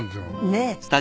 ねえ。